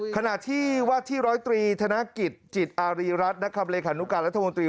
ขณะที่วัดที่๑๐๓ธนกิจจิตอารีรัฐนักคำเลขนุการณ์รัฐมนตรี